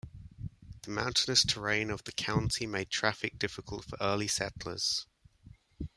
The mountainous terrain of the county made traffic difficult for early settlers.